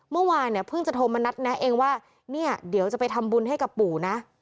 เมื่อวานเนี่ยเพิ่งจะโทรมานัดแนะเองว่าเนี่ยเดี๋ยวจะไปทำบุญให้กับปู่นะ